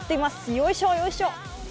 よいしょ、よいしょ。